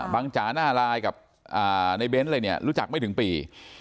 บางจาน่ารายกับนายเบ้นรู้จักไม่ถึงปี